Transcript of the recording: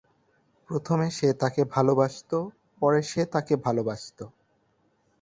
প্রথমে সে তাকে ভালবাসত; পরে সে তাকে ভালবাসত।